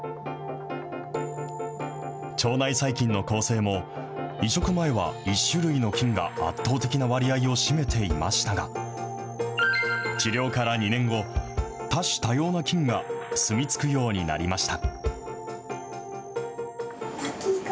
腸内細菌の構成も、移植前は１種類の菌が圧倒的な割合を占めていましたが、治療から２年後、多種多様な菌が住み着くようになりました。